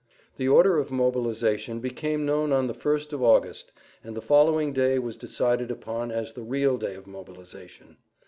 The order of mobilization became known on the 1st of August, and the following day was decided upon as the real day of mobilization.